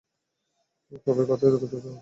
তবে কথায় গুরুত্ব দিন আমার।